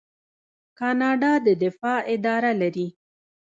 کاناډا د دفاع اداره لري.